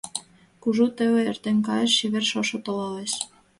Кужу теле эртен кайыш, Чевер шошо толалеш.